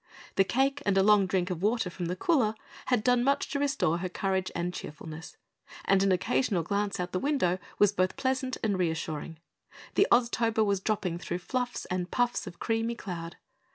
The cake and a long drink of water from the cooler had done much to restore her courage and cheerfulness, and an occasional glance out the window was both pleasant and reassuring. The Oztober was dropping through fluffs and puffs of creamy cloud.